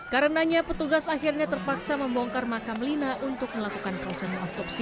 karenanya petugas akhirnya terpaksa membongkar makam lina untuk melakukan proses otopsi